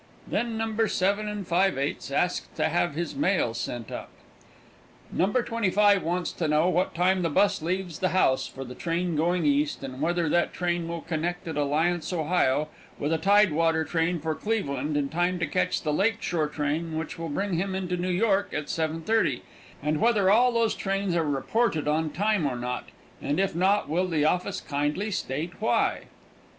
Then No. 7 5/8 asks to have his mail sent up. No. 25 wants to know what time the 'bus leaves the house for the train going East, and whether that train will connect at Alliance, Ohio, with a tide water train for Cleveland in time to catch the Lake Shore train which will bring him into New York at 7:30, and whether all those trains are reported on time or not, and if not will the office kindly state why?